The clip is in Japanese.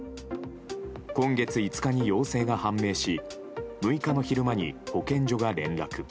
今月５日に陽性が判明し６日の昼間に保健所が連絡。